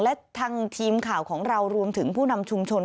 และทางทีมข่าวของเรารวมถึงผู้นำชุมชน